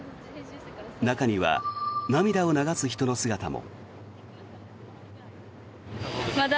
中には涙を流す人の姿も。